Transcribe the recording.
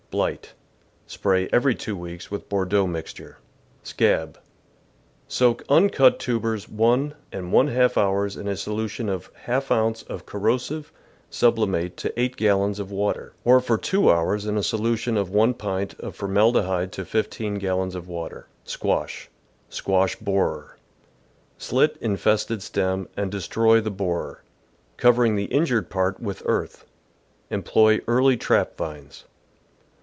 Blight. — Spray every two weeks with Bordeaux mixture. Scab. — Soak uncut tubers one and one half hours in a solution of % ounce of corrosive subli THE GARDEN'S ENEMIES mate to 8 gallons of water, or for two hours in a solution of one pint of formaldehyde to 15 gallons of water. Squash. — Squash Borer. — Slit infested stem, and destroy the borer, covering the injured part with earth. Employ early trap vines.